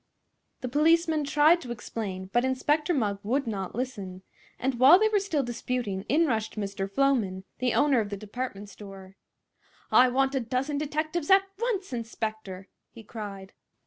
The policemen tried to explain, but Inspector Mugg would not listen; and while they were still disputing in rushed Mr. Floman, the owner of the department store. "I want a dozen detectives, at once, inspector!" he cried.